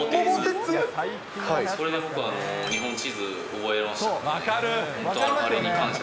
それで僕、日本地図、覚えました。